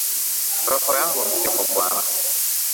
Roho yangu msifu Bwana.